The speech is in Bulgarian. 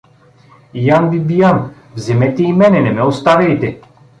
— Ян Бибиян, вземете и мене, не ме оставяйте!